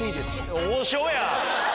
王将や！